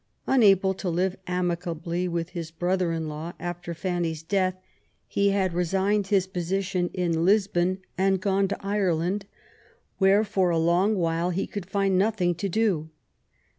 Unable to live amicably with his brother in law after Fanny's death, he had resigned his position in Lisbon and gone to Ireland^ where for a long while he could find nothing to do.